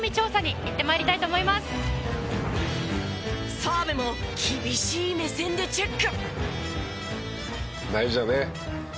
澤部も厳しい目線でチェック！